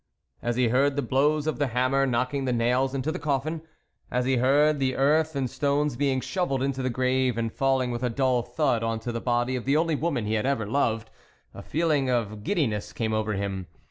As he heard the blows of the hammer knocking the nails into the coffin, as he heard the earth and stones being shovelled into the grave and falling with a dull thud on to the body of the only woman he had ever loved, a feeling of giddiness came over him.